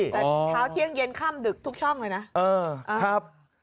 แต่เช้าเที่ยงเย็นข้ามดึกทุกช่องเลยนะ